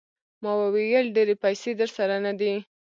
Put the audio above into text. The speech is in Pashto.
ما وویل ډېرې پیسې درسره نه دي.